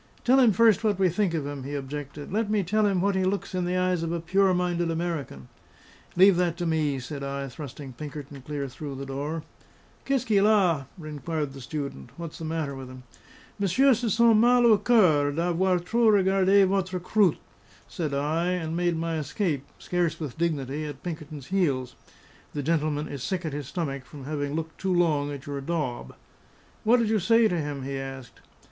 "Tell him first what we think of him," he objected. "Let me tell him what he looks in the eyes of a pure minded American" "Leave that to me," said I, thrusting Pinkerton clear through the door. "Qu'est ce qu'il a?" inquired the student. "What's the matter with him?" "Monsieur se sent mal au coeur d'avoir trop regarde votre croute," said I, and made my escape, scarce with dignity, at Pinkerton's heels. "The gentleman is sick at his stomach from having looked too long at your daub." "What did you say to him?" he asked.